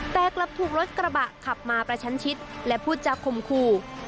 แต่กลับถูกรถกระบะขับมาประชันชิดและพูดจาคมคู่